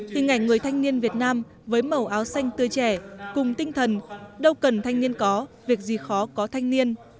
hình ảnh người thanh niên việt nam với màu áo xanh tươi trẻ cùng tinh thần đâu cần thanh niên có việc gì khó có thanh niên